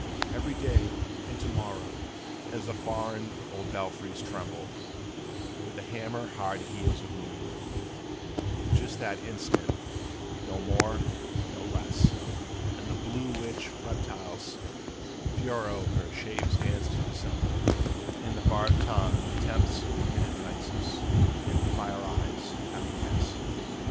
'Every to day and to morrow, as the foreign old belfries tremble With the hammer hard heels of noon, just that instant, nor more nor less, In the blue witch reptile's furrow her shape stands to dissemble, And the barbed tongue tempts and entices, and the fire eyes acquiesce.